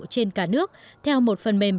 trên cả nước theo một phần mềm